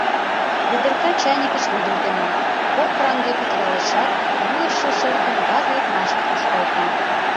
Ведерка чайникыш вӱдым тема, кок кранге пӱтыралешат, йӱлышӧ шырпым газ лекмашке тушкалта.